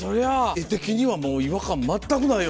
画的にはもう違和感全くないよ。